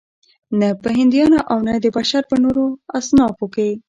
نه په هندیانو او نه د بشر په نورو اصنافو کې.